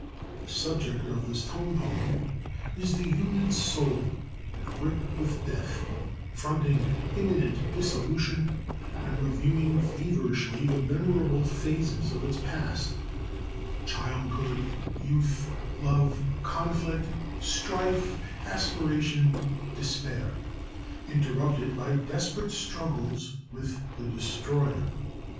The subject of this tone poem is the human soul at grip with death, fronting imminent dissolution, and reviewing feverishly the memorable phases of its past childhood, youth, love, conflict, strife, aspiration, despair interrupted by desperate struggles with the Destroyer.